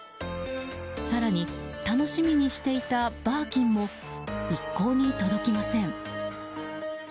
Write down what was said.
更に、楽しみにしていたバーキンも一向に届きません。